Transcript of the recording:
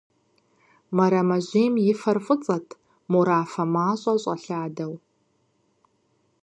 Мэрэмэжьейм и фэр фӀыцӀэт, морафэ мащӀэ щӀэлъадэу.